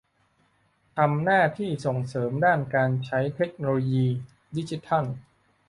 ทำหน้าที่ส่งเสริมด้านการใช้เทคโนโลยีดิจิทัล